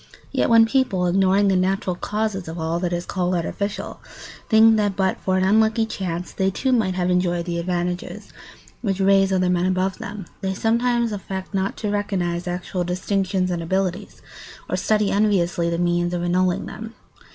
Yet when people, ignoring the natural causes of all that is called artificial, think that but for an unlucky chance they, too, might have enjoyed the advantages which raise other men above them, they sometimes affect not to recognise actual distinctions and abilities, or study enviously the means of annulling them.